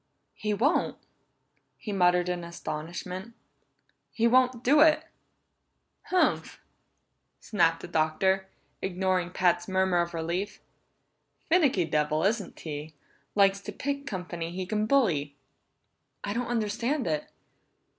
"He won't!" he muttered in astonishment. "He won't do it!" "Humph!" snapped Horker, ignoring Pat's murmur of relief. "Finicky devil, isn't he? Likes to pick company he can bully!" "I don't understand it!"